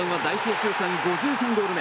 通算５３ゴール目。